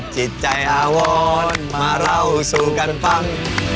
จิตใจอาวรมาเล่าสู่กันฟัง